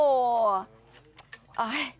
โอ้โห